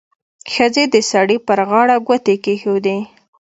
ښځې د سړي پر غاړه ګوتې کېښودې.